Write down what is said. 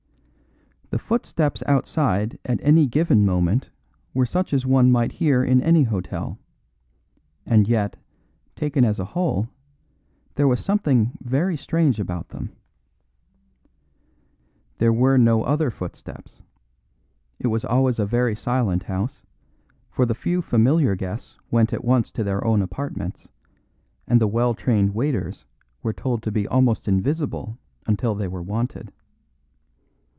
The footsteps outside at any given moment were such as one might hear in any hotel; and yet, taken as a whole, there was something very strange about them. There were no other footsteps. It was always a very silent house, for the few familiar guests went at once to their own apartments, and the well trained waiters were told to be almost invisible until they were wanted.